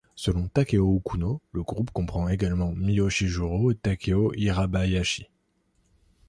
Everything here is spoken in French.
Selon Takeo Okuno, le groupe comprend également Miyoshi Jūrō et Taiko Hirabayashi.